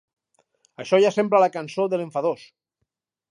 Això ja sembla la cançó de l'enfadós.